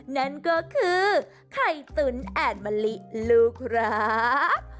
นั่นก็คือไข่ตุ๋นแอดมะลิลูกรัก